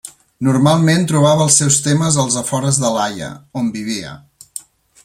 Normalment trobava els seus temes als afores de La Haia, on vivia.